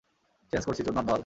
Change করছি চোদনার দল!